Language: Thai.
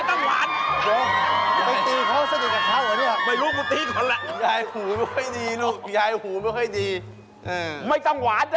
คุกปะตี้อย่าเอาแซ่บไม่ต้องหวาน